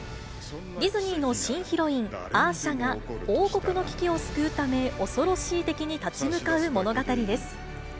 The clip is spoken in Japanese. ディズニーの新ヒロイン、アーシャが、王国の危機を救うため、恐ろしい敵に立ち向かう物語です。